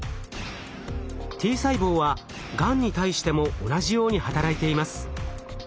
Ｔ細胞はがんに対しても同じように働いています。